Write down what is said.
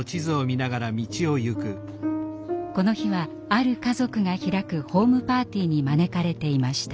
この日はある家族が開くホームパーティーに招かれていました。